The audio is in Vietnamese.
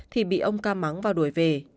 thì bị ông ca mắng và đuổi về